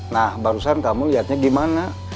nah barusan kamu lihatnya gimana